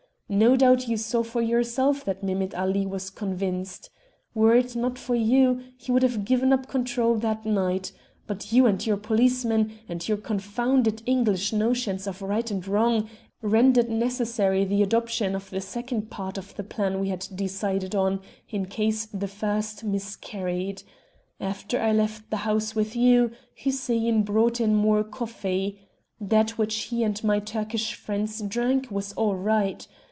No doubt you saw for yourself that Mehemet Ali was convinced. Were it not for you, he would have given up control that night. But you and your policemen, and your confounded English notions of right and wrong, rendered necessary the adoption of the second part of the plan we had decided on, in case the first miscarried. After I left the house with you, Hussein brought in more coffee. That which he and my Turkish friends drank was all right.